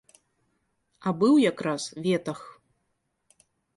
А быў якраз ветах.